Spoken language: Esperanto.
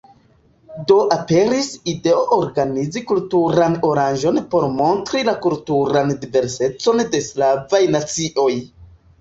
Do aperis ideo organizi kulturan aranĝon por montri la kulturan diversecon de slavaj nacioj.